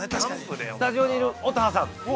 スタジオにいる乙葉さん。